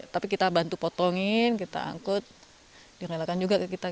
tapi kita bantu potongin kita angkut direlakan juga ke kita